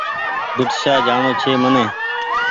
ڀيٽ شاه جآڻو ڇي مني ۔